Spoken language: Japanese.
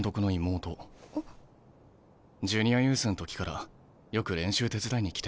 ジュニアユースん時からよく練習手伝いに来てた。